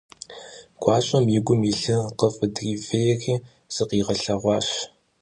Гуащэм и гум илъыр къыфӀыдривейри, зыкъигъэлъэгъуащ.